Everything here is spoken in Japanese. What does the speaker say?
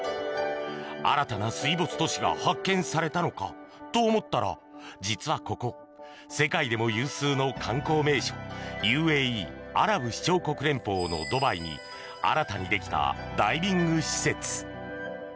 新たな水没都市が発見されたのか？と思ったら実はここ世界でも有数の観光名所ＵＡＥ・アラブ首長国連邦のドバイに新たにできたダイビング施設。